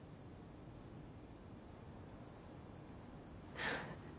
フッ。